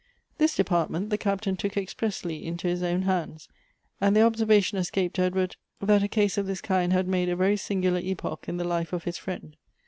This department the Captain took expressly into his own hands ; and the observation escaped Edward, that a case 2* 34 Goethe's of this kind had made a very singular epoch in the life of his friend.